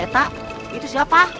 tak itu siapa